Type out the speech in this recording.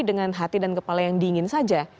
dengan hati dan kepala yang dingin saja